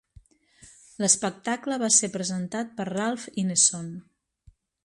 L'espectacle va ser presentat per Ralph Ineson.